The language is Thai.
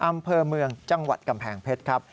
อำเภอเมืองจังหวัดกำแพงเพชรครับ